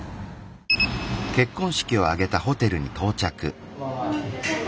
こんばんは。